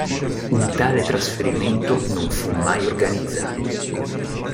Un tale trasferimento non fu mai organizzato.